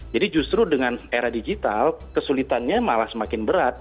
jadi justru dengan era digital kesulitannya malah semakin berat